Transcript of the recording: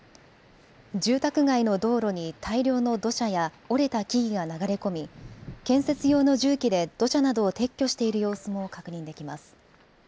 住宅街の道路に大量の土砂や折れた木々が流れ込み建設用の重機で土砂などを撤去している様子も確認できます。